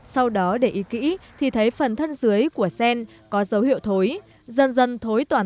sau đó để ý kỹ thì thấy phần thân dưới của sen có dấu hiệu thối dần dần thối toàn